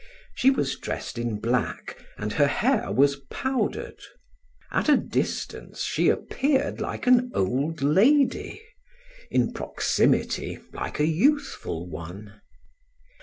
She was dressed in black and her hair was powdered. At a distance she appeared like an old lady, in proximity, like a youthful one.